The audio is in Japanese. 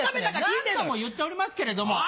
何度も言っておりますけれども。